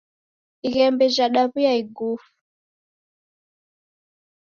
Ighembe jadaw'uya igufu.